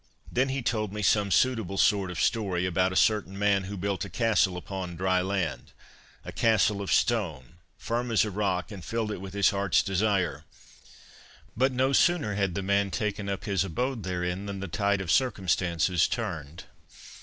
..." Then he told me ' some suitable sort of story ' about a certain man who built a castle upon dry land, a castle of stone, firm as a rock, and filled it with his heart's desire. But no sooner had the man taken up his abode therein than the tide of circumstances turned.